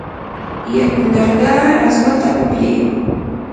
yakunarqaa aswata upyay.